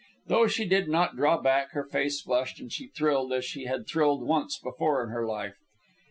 Though she did not draw back, her face flushed, and she thrilled as she had thrilled once before in her life.